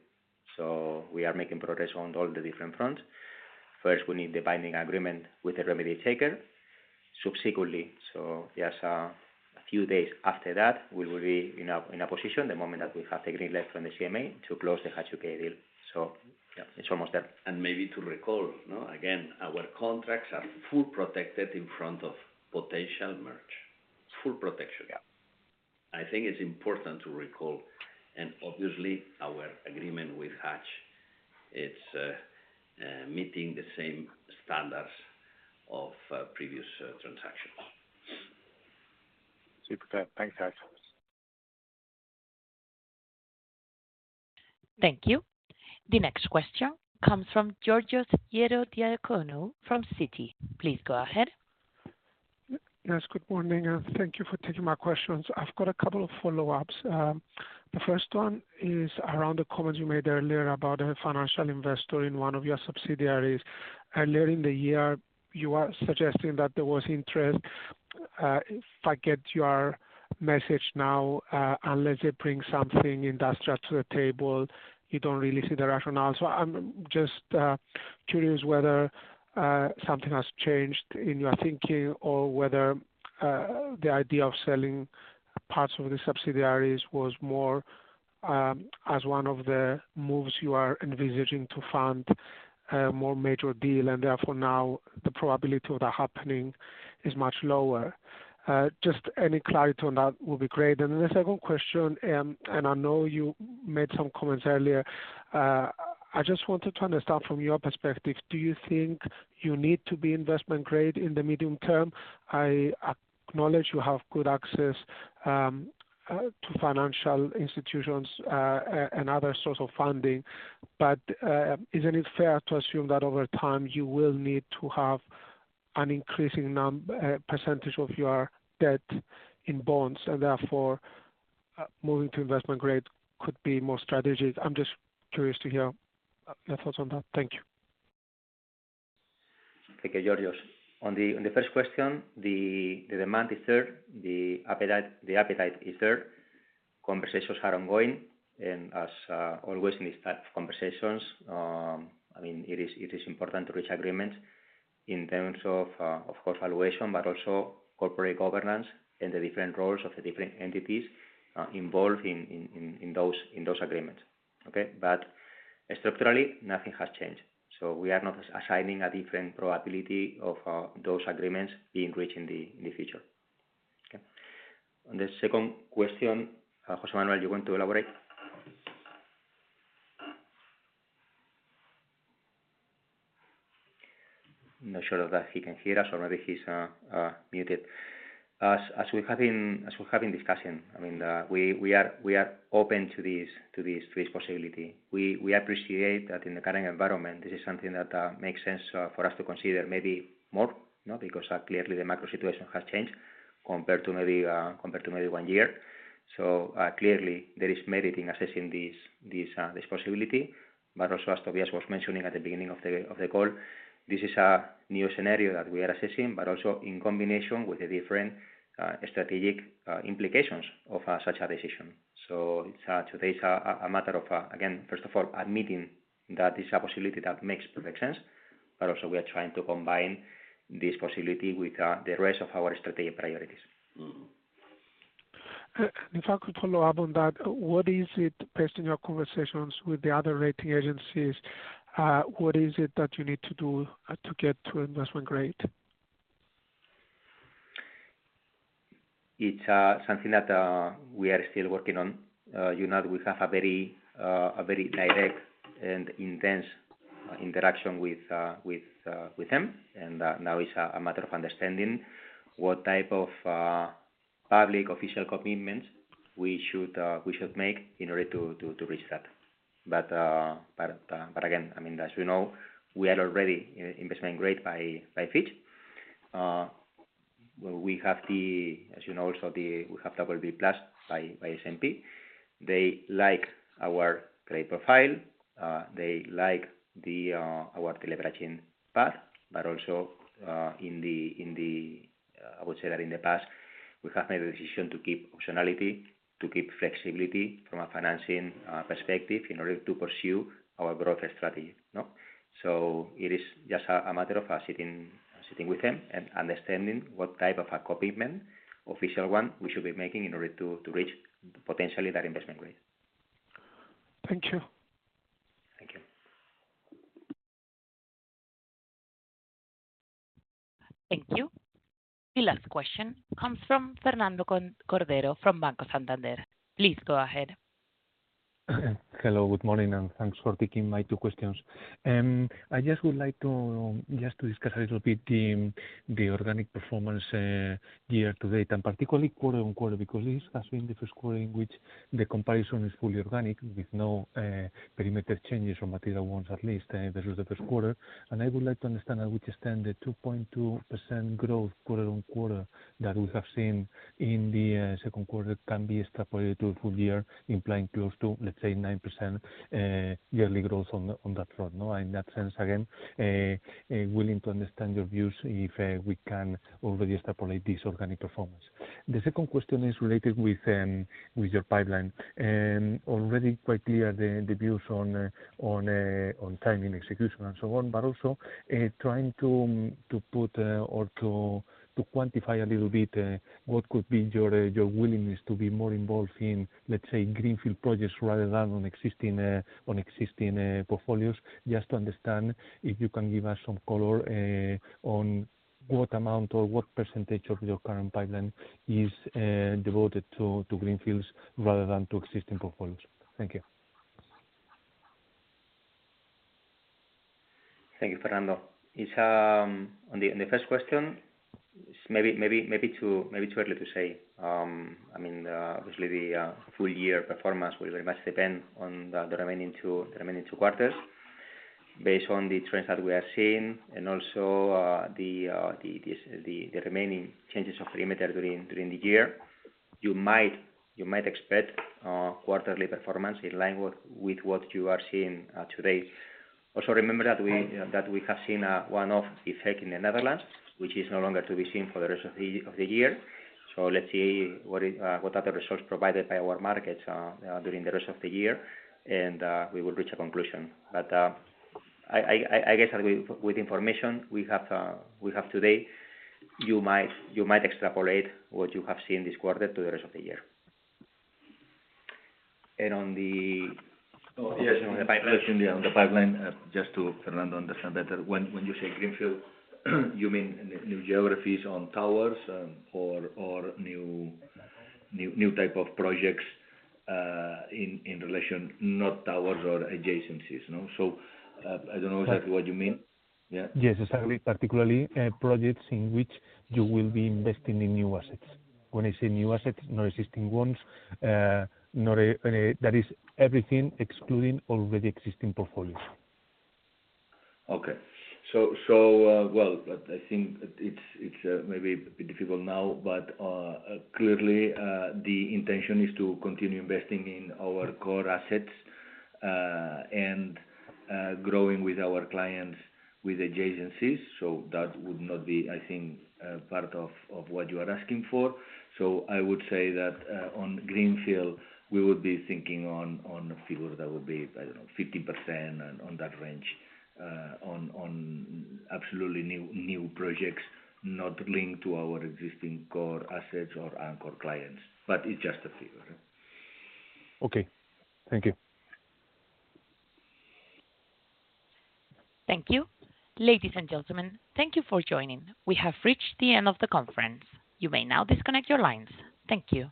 We are making progress on all the different fronts. First, we need the binding agreement with the remedy taker. Subsequently, just a few days after that, we will be in a position the moment that we have the green light from the CMA to close the Hutch UK deal. Yeah, it's almost there. Maybe to recall, you know, again, our contracts are fully protected in front of potential merger. Full protection. Yeah. I think it's important to recall, and obviously our agreement with Hutch, it's meeting the same standards of previous transactions. Super clear. Thanks, guys. Thank you. The next question comes from Georgios Ierodiaconou from Citi. Please go ahead. Yes, good morning, and thank you for taking my questions. I've got a couple of follow-ups. The first one is around the comments you made earlier about a financial investor in one of your subsidiaries. Earlier in the year, you are suggesting that there was interest. If I get your message now, unless they bring something industrial to the table, you don't really see the rationale. I'm just curious whether something has changed in your thinking or whether the idea of selling parts of the subsidiaries was more as one of the moves you are envisaging to fund a more major deal, and therefore now the probability of that happening is much lower. Just any clarity on that will be great. Then the second question, and I know you made some comments earlier, I just wanted to understand from your perspective, do you think you need to be investment grade in the medium term? I acknowledge you have good access to financial institutions, and other source of funding, but, isn't it fair to assume that over time you will need to have an increasing percentage of your debt in bonds, and therefore, moving to investment grade could be more strategic? I'm just curious to hear your thoughts on that. Thank you. Okay, Georgios. On the first question, the demand is there, the appetite is there. Conversations are ongoing and as always in these type of conversations, I mean, it is important to reach agreement in terms of course, valuation, but also corporate governance and the different roles of the different entities involved in those agreements. Okay? Structurally, nothing has changed. We are not reassigning a different probability of those agreements being reached in the future. Okay. On the second question, José Manuel, you want to elaborate? I'm not sure that he can hear us or maybe he's muted. As we have been discussing, I mean, we are open to this possibility. We appreciate that in the current environment, this is something that makes sense for us to consider maybe more, you know, because clearly the macro situation has changed compared to maybe one year. Clearly there is merit in assessing this possibility. As Tobías was mentioning at the beginning of the call, this is a new scenario that we are assessing, but also in combination with the different strategic implications of such a decision. Today it's a matter of again, first of all, admitting that it's a possibility that makes perfect sense. We are trying to combine this possibility with the rest of our strategic priorities. If I could follow up on that, based on your conversations with the other rating agencies, what is it that you need to do to get to investment grade? It's something that we are still working on. You know, we have a very direct and intense interaction with them. Now it's a matter of understanding what type of public official commitments we should make in order to reach that. Again, I mean, as you know, we are already investment grade by Fitch. As you know, we have BB+ by S&P. They like our leverage profile. They like our deleveraging path. Also, I would say that in the past, we have made the decision to keep optionality, to keep flexibility from a financing perspective in order to pursue our growth strategy. No? It is just a matter of sitting with them and understanding what type of a commitment, official one, we should be making in order to reach potentially that investment grade. Thank you. Thank you. Thank you. The last question comes from Fernando Cordero from Banco Santander. Please go ahead. Hello, good morning, and thanks for taking my two questions. I just would like to just to discuss a little bit the organic performance year-to-date, and particularly quarter-over-quarter, because this has been the first quarter in which the comparison is fully organic with no perimeter changes or material ones at least, this was the first quarter. I would like to understand how we can extend the 2.2% growth quarter-over-quarter that we have seen in the second quarter can be extrapolated to a full year, implying close to, let's say, 9% yearly growth on that front, no? In that sense, again, willing to understand your views if we can already extrapolate this organic performance. The second question is related with your pipeline. Already quite clear the views on timing, execution, and so on, but also trying to put or to quantify a little bit what could be your willingness to be more involved in, let's say, greenfield projects rather than on existing portfolios. Just to understand if you can give us some color on what amount or what percentage of your current pipeline is devoted to greenfields rather than to existing portfolios. Thank you. Thank you, Fernando. It's on the first question, it's maybe too early to say. I mean, obviously the full year performance will very much depend on the remaining two quarters. Based on the trends that we are seeing and also the remaining changes of perimeter during the year, you might expect quarterly performance in line with what you are seeing today. Also remember that we have seen a one-off effect in the Netherlands, which is no longer to be seen for the rest of the year. Let's see what are the results provided by our markets during the rest of the year, and we will reach a conclusion. I guess with information we have, we have today, you might extrapolate what you have seen this quarter to the rest of the year. On the Oh, yes. On the pipeline. Just to Fernando understand better. When you say greenfield, you mean new geographies on towers, or new type of projects, in relation, not towers or adjacencies? No. I don't know exactly what you mean. Yeah. Yes, exactly. Particularly, projects in which you will be investing in new assets. When I say new assets, no existing ones, that is everything excluding already existing portfolios. Okay. Well, I think it's maybe a bit difficult now, but clearly the intention is to continue investing in our core assets and growing with our clients with adjacencies. That would not be, I think, part of what you are asking for. I would say that on greenfield, we would be thinking on a figure that would be, I don't know, 50% and on that range on absolutely new projects, not linked to our existing core assets or anchor clients. It's just a figure. Okay. Thank you. Thank you. Ladies and gentlemen, thank you for joining. We have reached the end of the conference. You may now disconnect your lines. Thank you.